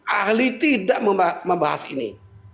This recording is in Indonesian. ahli tidak membahas ini